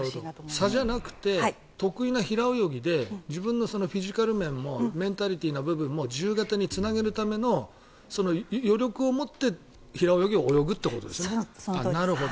差じゃなくて得意な平泳ぎでメンタル面も体力面も自由形につなげるための余力を持って平泳ぎを泳ぐということですね。